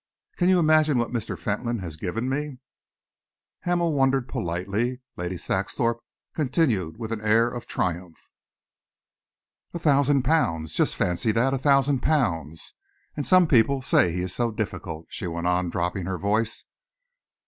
Can you imagine what Mr. Fentolin has given me?" Hamel wondered politely. Lady Saxthorpe continued with an air of triumph. "A thousand pounds! Just fancy that a thousand pounds! And some people say he is so difficult," she went on, dropping her voice.